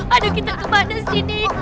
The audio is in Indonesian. aduh kita kemana sini